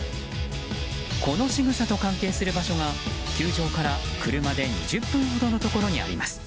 このしぐさと関係する場所が球場から車で２０分ほどのところにあります。